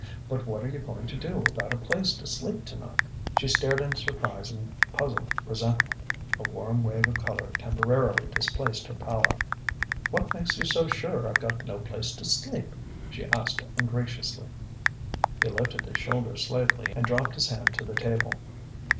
But what are you going to do about a place to sleep tonight?" She stared in surprise and puzzled resentment. A warm wave of colour temporarily displaced her pallor. "What makes you so sure I've got no place to sleep?" she asked ungraciously. He lifted his shoulders slightly and dropped his hand to the table.